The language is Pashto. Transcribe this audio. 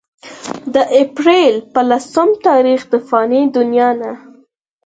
د اپريل پۀ لسم تاريخ د فاني دنيا نه